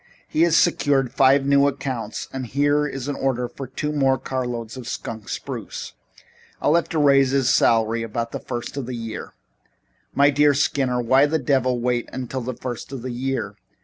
"He has secured five new accounts and here is an order for two more carloads of skunk spruce. I'll have to raise his salary about the first of the year. "My dear Skinner, why the devil wait until the first of the year?